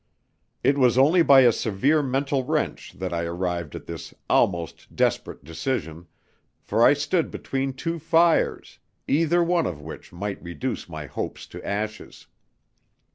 It was only by a severe mental wrench that I arrived at this almost desperate decision, for I stood between two fires, either one of which might reduce my hopes to ashes.